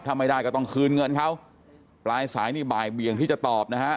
ถ้าไม่ได้ก็ต้องคืนเงินเขาปลายสายนี่บ่ายเบียงที่จะตอบนะฮะ